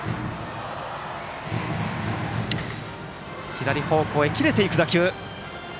左方向へ切れていく打球。